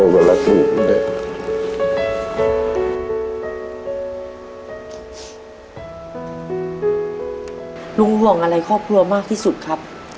ห่วงอะไรครอบครัวมากที่สุดครับ